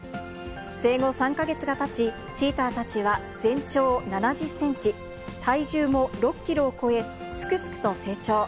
生後３か月がたち、チーターたちは全長７０センチ、体重も６キロを超え、すくすくと成長。